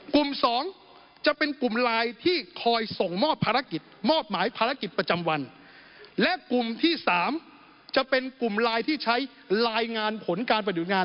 กลุ่ม๒จะเป็นกลุ่มลายที่คอยส่งมอบภารกิจมอบหมายภารกิจประจำวัน